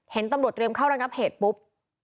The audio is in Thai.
เห็นตำรวจเตรียมเข้าระงับเหตุปุ๊บ